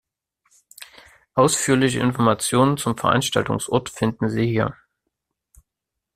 Ausführliche Informationen zum Veranstaltungsort finden Sie hier.